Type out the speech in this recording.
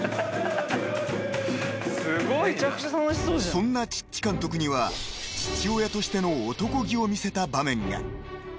［そんなチッチ監督には父親としてのおとこ気を見せた場面が］